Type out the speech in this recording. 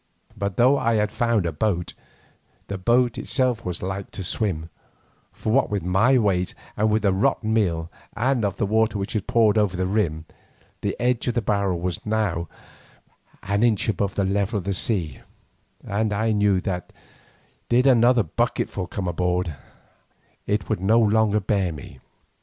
But though I had found a boat, the boat itself was like to sink, for what with my weight and that of the rotten meal, and of the water which had poured over the rim, the edge of the barrel was not now an inch above the level of the sea, and I knew that did another bucketful come aboard, it would no longer bear me.